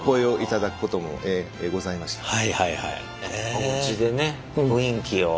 おうちでね雰囲気を。